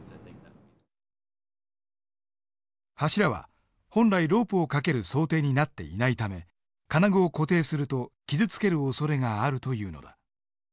柱は本来ロープを掛ける想定になっていないため金具を固定すると傷つけるおそれがあるというのだ。